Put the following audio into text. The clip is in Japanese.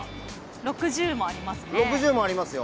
６０もありますよ。